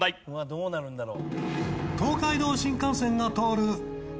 どうなるんだろう？